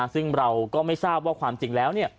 ซึ่งเราก็ไม่ทราบว่าความจริงแล้ว